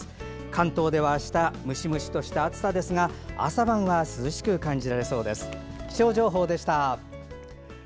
関東ではあしたムシムシとした暑さですが朝晩は涼しく感じられそうです。